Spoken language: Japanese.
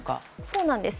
そうなんです。